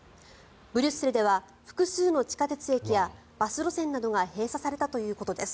ブリュッセルでは複数の地下鉄駅やバス路線などが閉鎖されたということです。